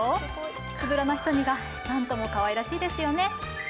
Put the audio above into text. つぶらな瞳がなんともかわいらしいですよね。